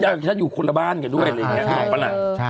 อยากจะอยู่คนละบ้านกันด้วยอะไรอย่างนี้พี่มดปะนะ